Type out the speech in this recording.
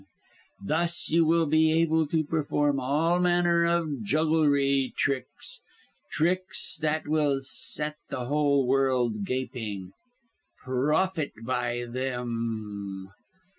Thus you will be able to perform all manner of jugglery tricks tricks that will set the whole world gaping. Profit by them.